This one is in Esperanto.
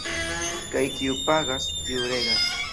Kaj kiu pagas, tiu regas.